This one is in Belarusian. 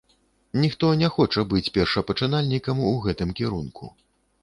Ніхто не хоча быць першапачынальнікам у гэтым кірунку.